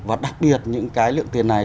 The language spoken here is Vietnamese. và đặc biệt những cái lượng tiền này